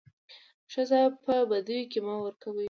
ښځي په بديو کي مه ورکوئ.